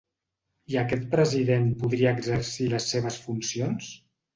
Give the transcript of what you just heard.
I aquest president podria exercir les seves funcions?